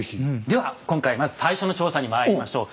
では今回まず最初の調査にまいりましょう。